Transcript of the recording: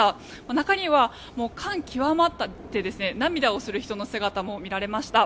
中には感極まって涙をする人の姿も見られました。